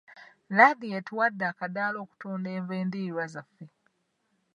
Laadiyo etuwadde akadaala okutunda enva endiirwa zaffe.